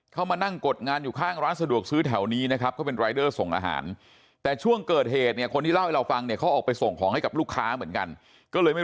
เข้ามานั่งกดงานอยู่ข้างร้านสะดวกซื้อ